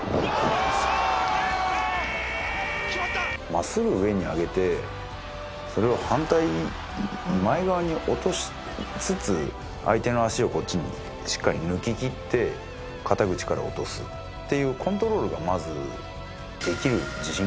真っすぐ上に上げてそれを反対前側に落としつつ相手の脚をこっちにしっかり抜ききって肩口から落とすっていうコントロールがまず。